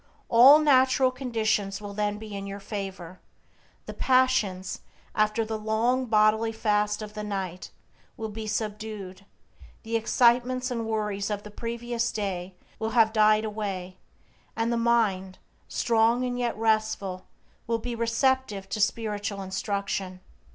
All natural conditions will then be in your favor; the passions, after the long bodily fast of the night, will be subdued, the excitements and worries of the previous day will have died away, and the mind, strong and yet restful, will be receptive to spiritual instruction.